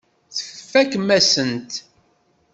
Tfakem-asen-t.